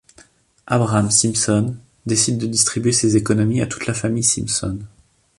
Abraham Simpson décide de distribuer ses économies à toute la famille Simpson.